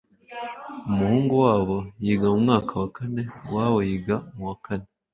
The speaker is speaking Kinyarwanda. Umuhungu wabo yiga mu wa kane. Uwabo yiga mu wa kane.